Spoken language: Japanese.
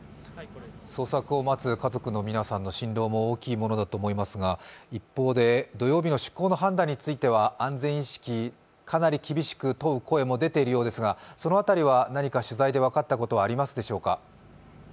捜索を待つ家族の皆さんの心労も大きいものだと思いますが一方で土曜日の出港の判断については安全意識、かなり厳しく問う声も出ているようですがその辺りは取材で分かったことはありますでしょうか。